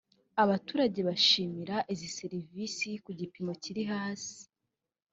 abaturage bashima izi serivisi ku gipimo kiri hasi